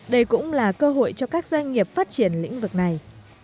đây cũng là cơ hội cho các doanh nghiệp phát triển lĩnh vực này